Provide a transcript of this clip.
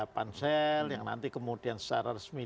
pansel yang nanti kemudian secara resmi